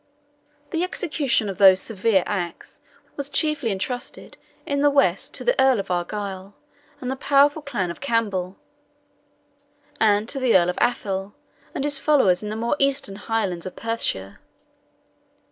The execution of those severe acts was chiefly intrusted in the west to the Earl of Argyle and the powerful clan of Campbell, and to the Earl of Athole and his followers in the more eastern Highlands of Perthshire.